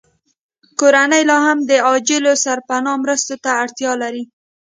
کورنۍ لاهم د عاجلو سرپناه مرستو ته اړتیا لري